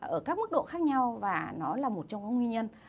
ở các mức độ khác nhau và nó là một trong các nguyên nhân